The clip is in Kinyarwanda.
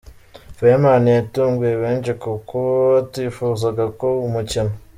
Fireman yatunguye benshi ku kuba atifuzaga ko umukino.